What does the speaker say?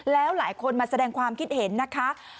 แล้วหลายคนมาแสดงความคิดเห็นนะคะ